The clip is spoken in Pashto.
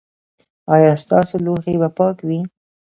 ایا ستاسو لوښي به پاک وي؟